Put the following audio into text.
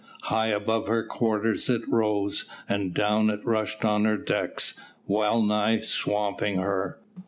High above her quarters it rose, and down it rushed on her decks, wellnigh swamping her.